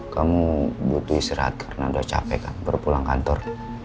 kamu butuh istirahat karena udah capek kan baru pulang kantor